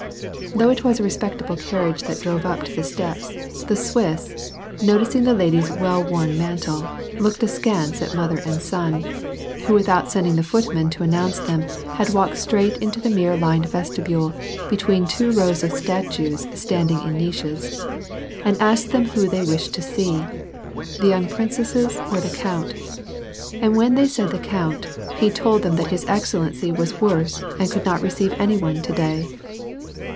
Though it was a respectable carriage that drove up to the steps, the Swiss, noticing the lady's well worn mantle, looked askance at mother and son (who without sending the foot man to announce them had walked straight into the mirror lined vestibule, between two rows of statues standing in niches) and asked them whom they wished to see, the young princesses or the count, and when they said the cbunt, he told them that his excellency was worse and could not receive any one to day.